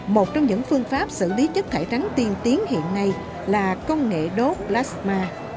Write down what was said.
một trong những phương pháp xử lý chất thải rắn tiên tiến hiện nay là công nghệ đốt plasma